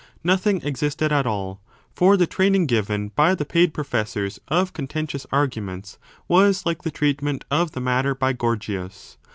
Nothing existed at all. For the training given by the paid pro fessors of contentious arguments was like the treatment of the matter by Gorgias.